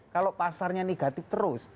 kalau pasarnya negatif terus